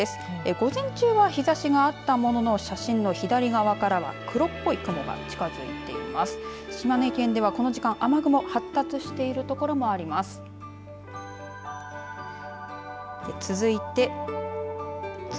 午前中は日ざしがあったものの写真の左側からは黒っぽい雲が近づいています。